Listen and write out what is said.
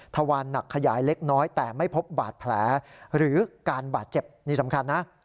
ทวานหนักขยายเล็กน้อยแต่ไม่พบบาดแผลหรือการบาดเจ็บนี่สำคัญนะ